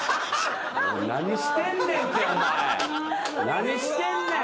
何してんねん。